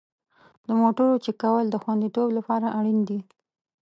د موټرو چک کول د خوندیتوب لپاره اړین دي.